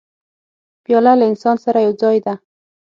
پیاله له انسان سره یو ځای ده.